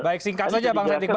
baik singkat saja bang said iqbal